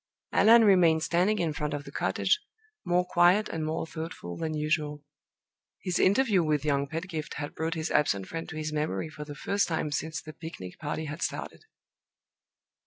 Allan remained standing in front of the cottage, more quiet and more thoughtful than usual. His interview with young Pedgift had brought his absent friend to his memory for the first time since the picnic party had started.